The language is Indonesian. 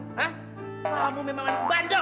kamu memang anak kubandel